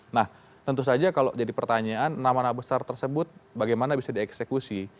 nah tentu saja kalau jadi pertanyaan nama nama besar tersebut bagaimana bisa dieksekusi